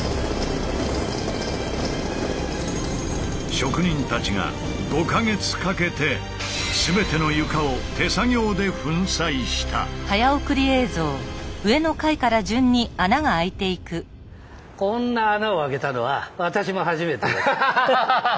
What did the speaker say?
職人たちが５か月かけて全ての床をこんな穴を開けたのは私も初めてです。